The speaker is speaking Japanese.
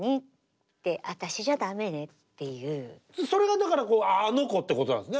それがだからあの娘ってことなんですね。